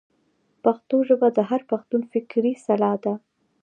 پښتو ژبه د هر پښتون فکري سلاح ده.